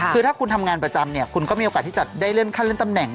คือถ้าคุณทำงานประจำเนี่ยคุณก็มีโอกาสที่จะได้เลื่อนขั้นเลื่อนตำแหน่ง